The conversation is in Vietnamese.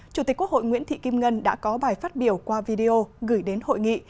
chủ tịch quốc hội nguyễn thị kim ngân đã có bài phát biểu qua video gửi đến hội nghị